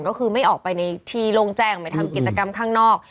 ก็คือไม่ออกไปในที่โล่งแจ้งไม่ทำกิจกรรมข้างนอก